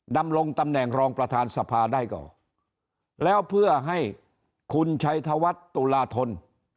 ดำรงตำแหน่งรองประธานสภาได้ก่อนแล้วเพื่อให้คุณชัยธวัฒน์ตุลาธน